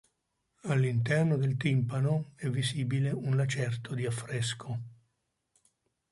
All'interno del timpano è visibile un lacerto di affresco.